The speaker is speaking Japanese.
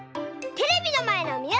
テレビのまえのみなさん！